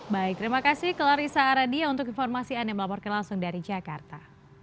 baik terima kasih clarissa aradia untuk informasi anda melaporkan langsung dari jakarta